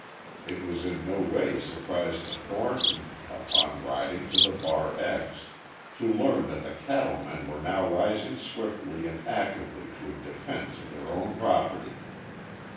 It was in no way a surprise to Thornton, upon riding to the Bar X, to learn that the cattle men were now rising swiftly and actively to a defence of their own property.